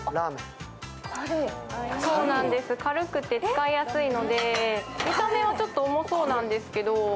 そうなんです、軽くて使いやすいので、見た目はちょっと重そうなんですけど。